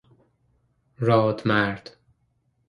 راد مرد